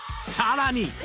さらに］